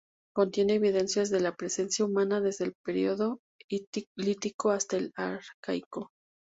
Contiene evidencias de la presencia humana desde el período lítico hasta el arcaico.